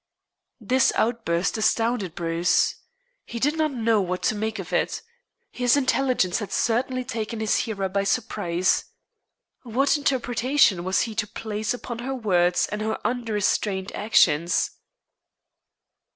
This outburst astounded Bruce. He did not know what to make of it. His intelligence had certainly taken his hearer by surprise. What interpretation was he to place upon her words and her unrestrained actions?